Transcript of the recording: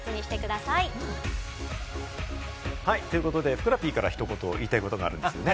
ふくらＰから一言、言いたいことがあるんですよね？